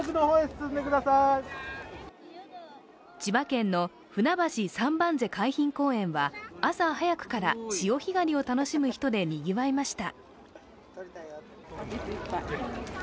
千葉県のふなばし三番瀬海浜公園は、朝早くから潮干狩りを楽しむ人でにぎわいました。